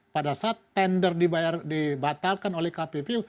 pada saat tender dibatalkan oleh kppu